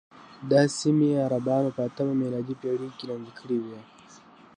دا سیمې عربانو په اتمه میلادي پېړۍ کې لاندې کړې وې.